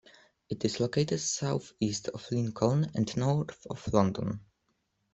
It is located south east of Lincoln and north of London.